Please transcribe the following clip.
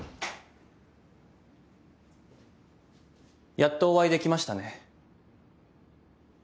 やっとお会いできましたね。